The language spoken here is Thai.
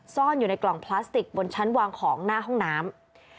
ซ่อนอยู่ในกล่องพลาสติกบนชั้นวางของหน้าห้องน้ำ